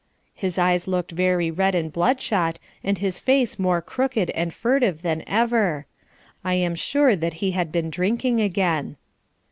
His eyes looked very red and bloodshot and his face more crooked and furtive than ever. I am sure that he had been drinking again.